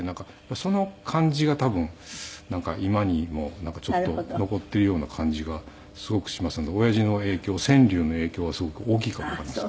その感じが多分今にもなんかちょっと残っているような感じがすごくしますんで親父の影響川柳の影響はすごく大きいかもわかりません。